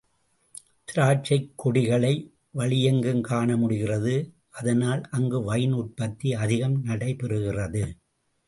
திராட்சைக் கொடிகளை வழி எங்கும் காணமுடிகிறது, அதனால் அங்கு வைன் உற்பத்தி அதிகம் நடைபெறு கிறது.